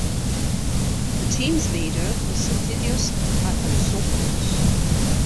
The team's leader was Sotirios Athanasopoulos.